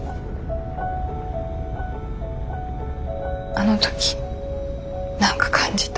あの時何か感じた。